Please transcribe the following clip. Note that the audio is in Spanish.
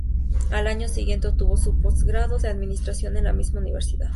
Al año siguiente obtuvo su postgrado en Administración en la misma Universidad.